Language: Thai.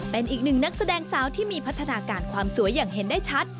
เป็นอีกหนึ่งนักแสดงสาวที่มีพัฒนาการความสวยอย่างเห็นได้ชัด